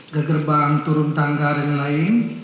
gegerbang turun tangga dan lain lain